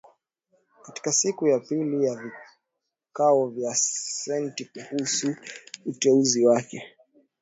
Katika siku ya pili ya vikao vya seneti kuhusu uteuzi wake